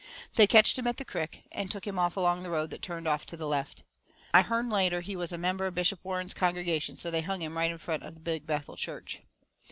They ketched him at the crick, and took him off along that road that turned off to the left. I hearn later he was a member of Bishop Warren's congregation, so they hung him right in front of Big Bethel church.